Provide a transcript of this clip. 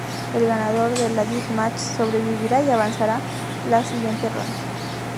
El ganador del "Death Match" sobrevivirá y avanzará a la siguiente ronda.